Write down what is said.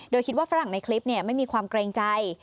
โดยคิดว่าฝรั่งในคลิปไม่มีความเกรงใจ